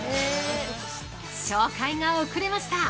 ◆紹介がおくれました。